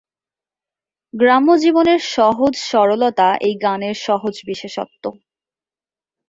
গ্রাম্য জীবনের সহজ সরলতা এই গানের সহজ বিশেষত্ব।